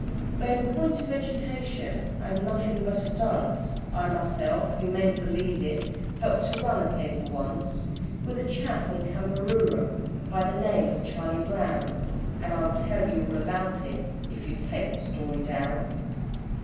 Though in point of education I am nothing but a dunce, I myself you mayn't believe it helped to run a paper once With a chap on Cambaroora, by the name of Charlie Brown, And I'll tell you all about it if you'll take the story down.